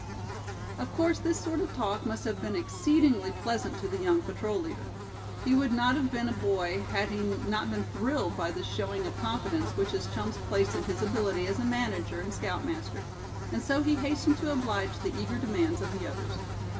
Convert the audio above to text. Of course this sort of talk must have been exceedingly pleasant to the young patrol leader. He would not have been a boy had he not been thrilled by this showing of confidence which his chums placed in his ability as a manager and scoutmaster; and so he hastened to oblige the eager demands of the others.